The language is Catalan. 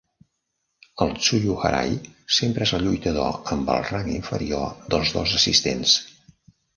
El "tsuyuharai" sempre és el lluitador amb el rang inferior dels dos assistents.